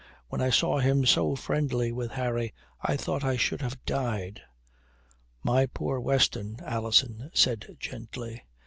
When I saw him so friendly with Harry I thought I should have died." "My poor Weston," Alison said gently.